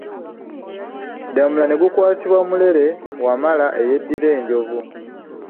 Ddamula ne gukwasibwa Mulere Wamala eyeddira Enjovu.